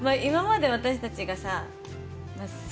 今まで私たちがさまあ